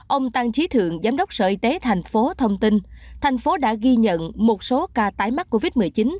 ông tăng trí thượng giám đốc sở y tế thành phố thông tin thành phố đã ghi nhận một số ca tái mắc covid một mươi chín